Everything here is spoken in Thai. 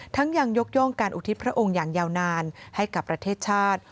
ยังยกย่องการอุทิศพระองค์อย่างยาวนานให้กับประเทศชาติ